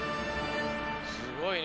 すごいね。